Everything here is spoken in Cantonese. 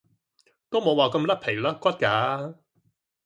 都冇話咁甩皮甩骨㗎